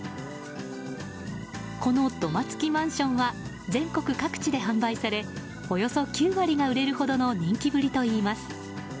この土間付きマンションは全国各地で販売されおよそ９割が売れるほどの人気ぶりといいます。